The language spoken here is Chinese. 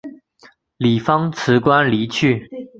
李芳辞官离去。